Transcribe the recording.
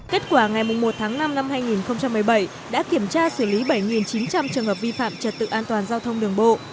kết quả ngày một tháng năm năm hai nghìn một mươi bảy đã kiểm tra xử lý bảy chín trăm linh trường hợp vi phạm trật tự an toàn giao thông đường bộ